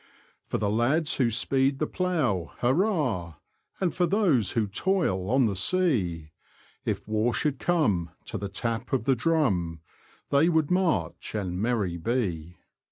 For the lads who speed the plough. Hurrah! And for those who toil on the sea ; If war should come, to the tap of the drum They would march and merry be.